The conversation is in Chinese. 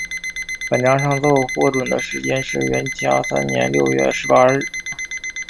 本章上奏获准的时间是元嘉三年六月十八日。